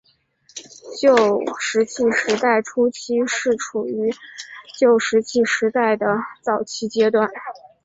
旧石器时代初期是处于旧石器时代的早期阶段。